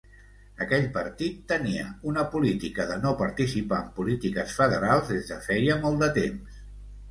Aquell partit tenia una política de no participar en polítiques federals des de feia molt de temps.